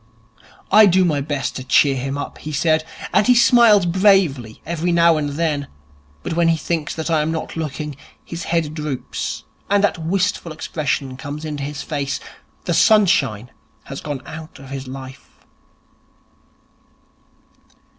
'I do my best to cheer him up,' he said, 'and he smiles bravely every now and then. But when he thinks I am not looking, his head droops and that wistful expression comes into his face. The sunshine has gone out of his life.'